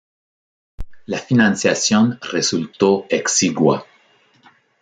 La financiación resultó exigua.